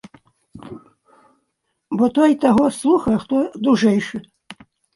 Бо той таго слухае, хто дужэйшы.